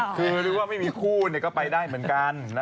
คือไม่มีคู่เนี่ยก็ไปได้เหมือนกัน